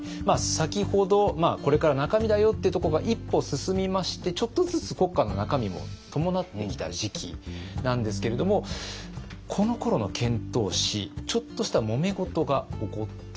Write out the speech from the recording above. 先ほどこれから中身だよっていうところが一歩進みましてちょっとずつ国家の中身も伴ってきた時期なんですけれどもこのころの遣唐使ちょっとしたもめ事が起こっていたんです。